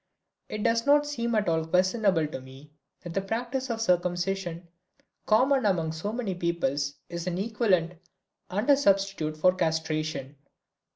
It does not seem at all questionable to me that the practice of circumcision common among so many peoples is an equivalent and a substitute for castration.